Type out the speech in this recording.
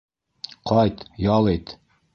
Ҡайт, ял ит.